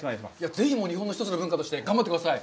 ぜひ日本の一つの文化として頑張ってください。